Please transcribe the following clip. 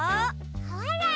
ほら！